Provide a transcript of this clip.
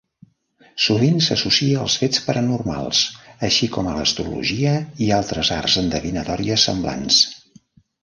Sovint s'associa als fets paranormals, així com a l'astrologia i altres arts endevinatòries semblants.